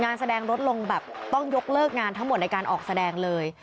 งานแสดงลดลงแบบต้องยกเลิกงานทั้งหมดในการออกแสดงเลย